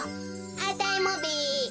あたいもべ。